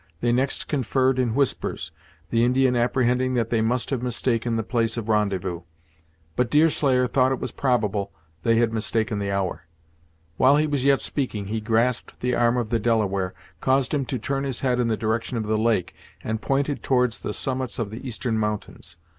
They next conferred in whispers, the Indian apprehending that they must have mistaken the place of rendezvous. But Deerslayer thought it was probable they had mistaken the hour. While he was yet speaking, he grasped the arm of the Delaware, caused him to turn his head in the direction of the lake, and pointed towards the summits of the eastern mountains.